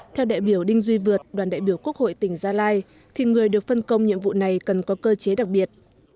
theo đại biểu đinh duy vượt đoàn đại biểu quốc hội tỉnh gia lai thì người được phân công nhiệm vụ này cần có cơ chế đặc biệt